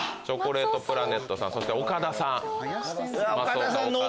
チョコレートプラネットさんそして岡田さん。